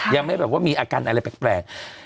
ยังไม่แบบว่ามีอาการอะไรแปลก